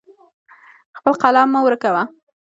خپل قلم مه ورکوه.